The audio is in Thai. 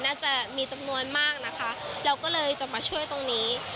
น่าจะมีจำนวนมากนะคะเราก็เลยจะมาช่วยตรงนี้